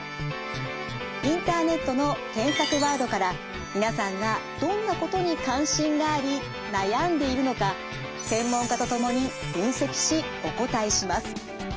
インターネットの検索ワードから皆さんがどんなことに関心があり悩んでいるのか専門家と共に分析しお答えします。